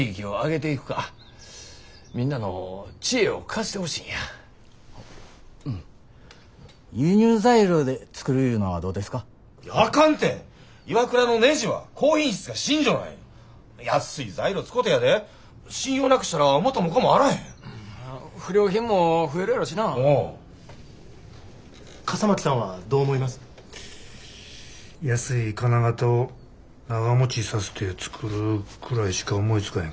安い金型を長もちさせて作るくらいしか思いつかへんかな。